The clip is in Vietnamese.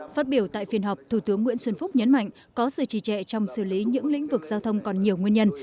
phát biểu tại phiên họp thủ tướng nguyễn xuân phúc nhấn mạnh có sự trì trệ trong xử lý những lĩnh vực giao thông còn nhiều nguyên nhân